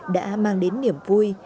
đã mang đến niềm vui